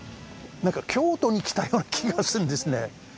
なんか京都に来たような気がするんですね。